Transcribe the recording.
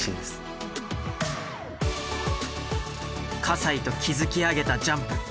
西と築き上げたジャンプ。